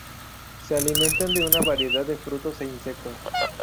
Se alimentan de una variedad de frutos e insectos.